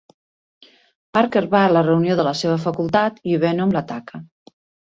Parker va a la reunió de la seva facultat i Venom l'ataca.